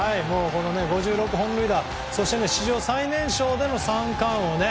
この５６本塁打そして史上最年少での三冠王ね。